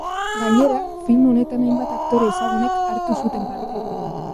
Gainera, film honetan hainbat aktore ezagunek hartu zuten parte.